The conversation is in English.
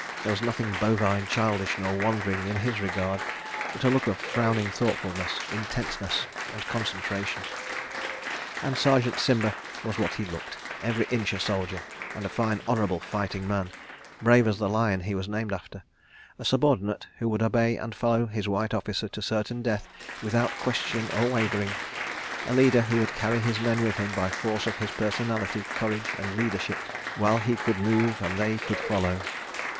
There was nothing bovine, childish nor wandering in his regard, but a look of frowning thoughtfulness, intentness and concentration. And Sergeant Simba was what he looked, every inch a soldier, and a fine honourable fighting man, brave as the lion he was named after; a subordinate who would obey and follow his white officer to certain death, without question or wavering; a leader who would carry his men with him by force of his personality, courage and leadership, while he could move and they could follow.